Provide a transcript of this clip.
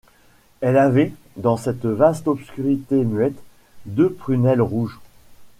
Elle avait, dans cette vaste obscurité muette, deux prunelles rouges.